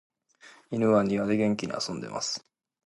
犬は庭で元気に遊んでいます。